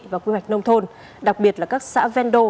và quy hoạch nông thôn đặc biệt là các xã vendo